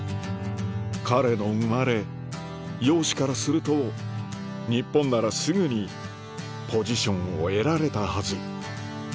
彼の生まれ容姿からすると日本ならすぐにポジションを得られたはず